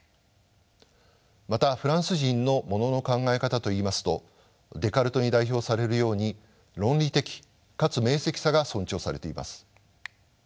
またフランス人のものの考え方といいますとデカルトに代表されるように論理的かつ明晰さが尊重されています。